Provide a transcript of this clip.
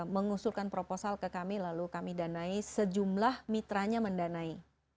mengusulkan proposal ke kami lalu kami danai sejumlah mitranya mendanai